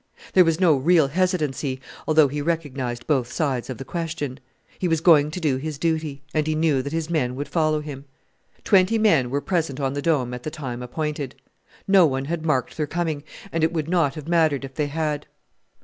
There was no real hesitancy, although he recognized both sides of the question. He was going to do his duty, and he knew that his men would follow him. Twenty men were present on the Dome at the time appointed. No one had marked their coming, and it would not have mattered if they had.